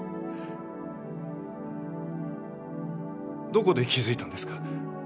どこで気付いたんですか？